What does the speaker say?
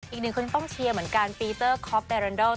อีกหนึ่งคนต้องเชียร์เหมือนกันปีเตอร์คอปเดรันดอล